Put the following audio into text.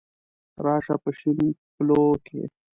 را شه په شین پلو کي